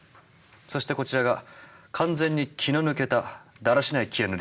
そしてこちらが完全に気の抜けただらしないキアヌ・リーブスです。